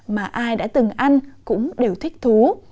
mà ai đã từng ăn cũng đều thích thú